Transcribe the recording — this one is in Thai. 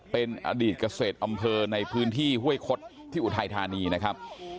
เป็นอดีตเกษตรอำเภอในพื้นที่ห้วยคดที่อุทัยธานีนะครับ